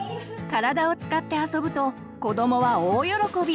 体を使って遊ぶと子どもは大喜び！